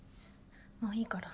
もういいから。